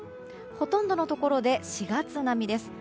ほとんどのところで４月並みです。